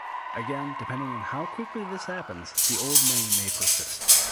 Again, depending on how quickly this happens, the old name may persist.